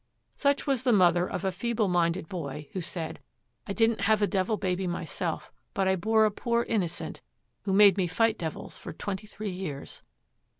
Such was the mother of a feeble minded boy who said, 'I didn't have a devil baby myself, but I bore a poor "innocent," who made me fight devils for twenty three years.'